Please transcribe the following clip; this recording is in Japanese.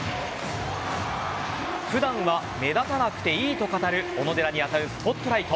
普段は目立たなくていいと語る小野寺に当たるスポットライト。